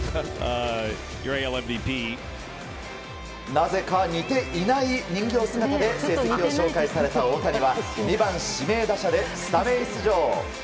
なぜか似ていない人形姿で成績を紹介された大谷は２番指名打者でスタメン出場。